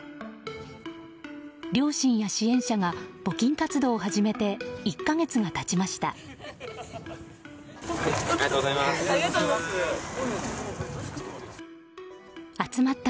両親や支援者が募金活動を始めて１か月が経ちました。